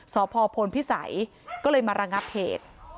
สพพลพิสัยก็เลยมาระงับเหตุ